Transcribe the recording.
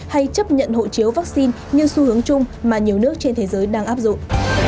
hay chấp nhận hộ chiếu vaccine như xu hướng chung mà nhiều nước trên thế giới đang áp dụng